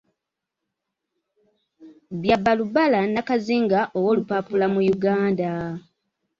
Bya Balbala Nakazinga owa olupapaula mu Uganda.